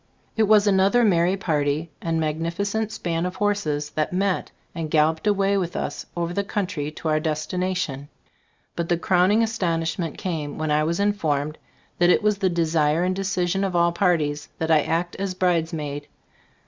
It was another merry party, and x 24 tt be Store of Ag GbilObooD magnificent spans of horses that met and galloped away with us over the country to our destination. But the crowning astonishment came when I was informed that it was the desire and decision of all parties, that I act as bridesmaid.